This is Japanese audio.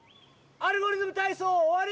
「アルゴリズムたいそう」おわり！